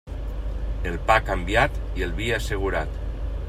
El pa canviat i el vi assegurat.